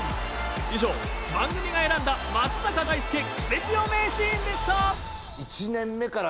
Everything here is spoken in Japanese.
以上番組が選んだ松坂大輔クセ強名シーンでした。